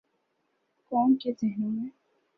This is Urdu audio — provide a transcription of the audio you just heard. قوم کے ذہنوں میں۔